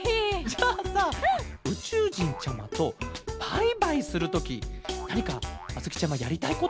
じゃあさうちゅうじんちゃまとバイバイするときなにかあづきちゃまやりたいことってあるケロ？